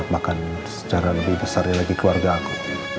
bahkan secara lebih besar lagi keluarga aku